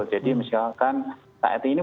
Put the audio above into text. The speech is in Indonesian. jadi misalkan saat ini bukaan